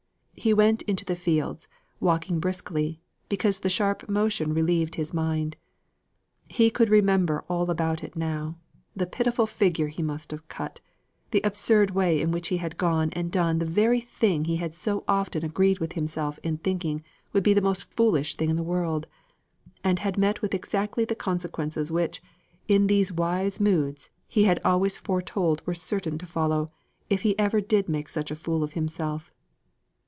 He went into the fields, walking briskly, because the sharp motion relieved his mind. He could remember all about it now; the pitiful figure he must have cut; the absurd way in which he had gone and done the very thing he had so often agreed with himself in thinking would be the most foolish thing in the world; and had met with exactly the consequences which, in these wise moods, he had always foretold were certain to follow, if he ever did make such a fool of himself.